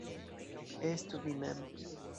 Estu vi mem.